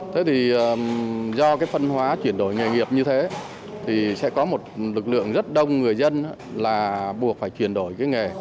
thế thì do cái phân hóa chuyển đổi nghề nghiệp như thế thì sẽ có một lực lượng rất đông người dân là buộc phải chuyển đổi cái nghề